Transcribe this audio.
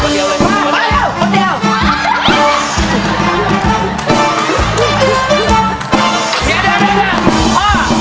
เดี๋ยวเรียบ